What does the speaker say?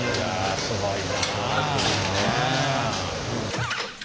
すごいな。